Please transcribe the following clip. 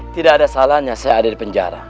tidak ada salahnya saya ada di penjara